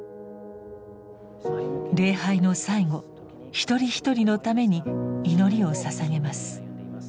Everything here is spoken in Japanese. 礼拝の最後一人一人のために祈りをささげます。